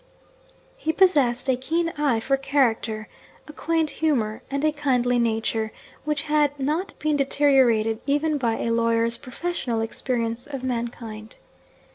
He possessed a keen eye for character, a quaint humour, and a kindly nature which had not been deteriorated even by a lawyer's professional experience of mankind.